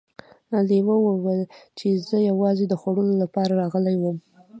لیوه وویل چې زه یوازې د خوړو لپاره راغلی وم.